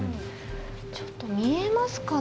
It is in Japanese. ちょっと見えますかね？